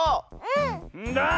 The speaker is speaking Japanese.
んだ！